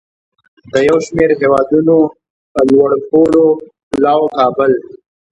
د یو شمیر هیوادونو لوړپوړو پلاوو کابل